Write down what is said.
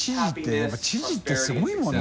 やっぱ知事ってすごいもんね